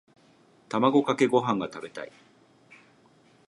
卵かけご飯が食べたい。